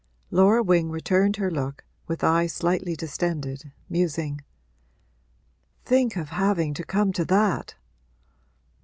Laura Wing returned her look, with eyes slightly distended, musing. 'Think of having to come to that!'